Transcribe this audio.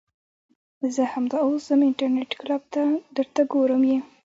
زه همدا اوس ځم انترنيټ کلپ ته درته ګورم يې .